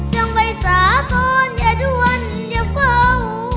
จังไว้สาก่อนอย่าด้วยอย่าเฝ้า